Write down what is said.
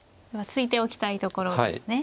突いておきたいところですね。